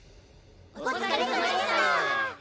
お疲れさまでした。